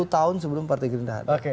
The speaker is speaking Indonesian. sepuluh tahun sebelum partai greendraft ada